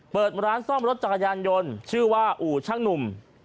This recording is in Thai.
เปิดร้านซ่อมรถจักรยานยนต์ชื่อว่าอู่ช่างหนุ่ม